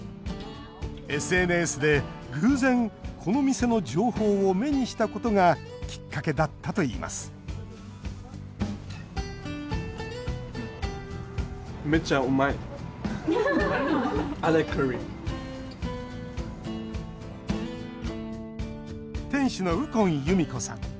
ＳＮＳで偶然この店の情報を目にしたことがきっかけだったといいます店主の右近由美子さん。